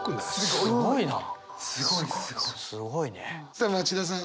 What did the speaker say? さあ町田さん。